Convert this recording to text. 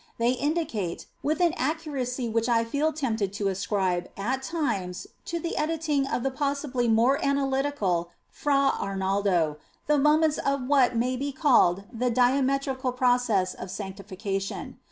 They indi cate, with an accuracy which I feel tempted to ascribe at times to the editing of the possibly more analytical Fra Arnaldo, the moments of what may be called the dia lectical process of sanctification.